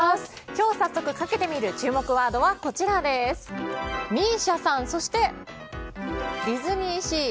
今日、早速かけてみる注目ワードはＭＩＳＩＡさんとディズニーシー。